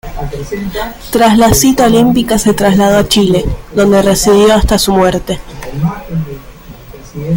Tras la cita olímpica se trasladó a Chile, donde residió hasta su muerte.